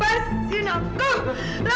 birkadir bawah dia